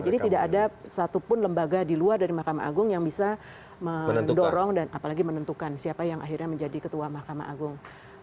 jadi tidak ada satupun lembaga di luar dari mahkamah agung yang bisa mendorong dan apalagi menentukan siapa yang akhirnya menjadi ketua mahkamah agung